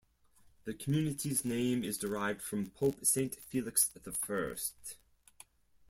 The community's name is derived from Pope Saint Felix the First.